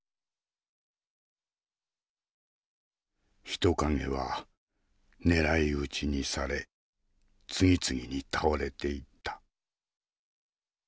人影は狙い撃ちにされ次々に倒れていった。